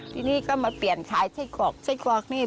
ทีนี้ก็มาเปลี่ยนขายไส้กรอกไส้กรอกนี่